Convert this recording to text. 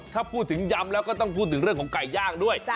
ถ้าพูดถึงยำแล้วก็ต้องพูดถึงเรื่องของไก่ย่างด้วย